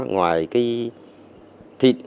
ngoài cái thịt